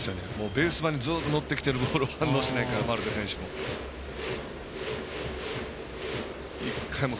ベース板にずっと乗ってきてるボールを反応しないから、マルテ選手も。